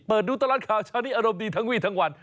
เปิดดูตลัดข่าวชาวนี้อารมณ์ดีทั้งวี่ดังวัน